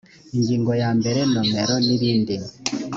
ingingo ya mbere nomero n ibindi